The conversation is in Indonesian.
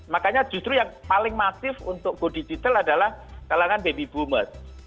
makanya justru yang paling masif untuk go digital adalah kalangan baby boomers